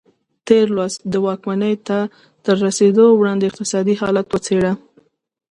تېر لوست د واکمنۍ ته تر رسېدو وړاندې اقتصادي حالت وڅېړه.